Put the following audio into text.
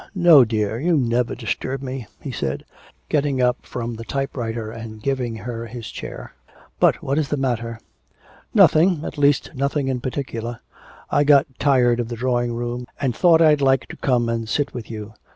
'No, dear: you never disturb me,' he said, getting up from the type writer and giving her his chair. 'But what is the matter?' 'Nothing, at least nothing in particular. I got tired of the drawing room, and thought I'd like to come and sit with you.